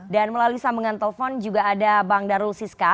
dan melalui sambungan telepon juga ada bang darul siska